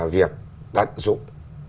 việc đặt dụng